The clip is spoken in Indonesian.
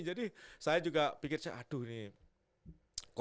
jadi saya juga pikir saya aduh nih